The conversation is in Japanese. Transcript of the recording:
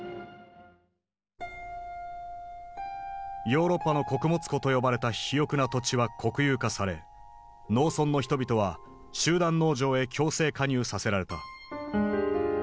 「ヨーロッパの穀物庫」と呼ばれた肥沃な土地は国有化され農村の人々は集団農場へ強制加入させられた。